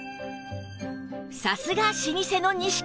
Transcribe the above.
さすが老舗の西川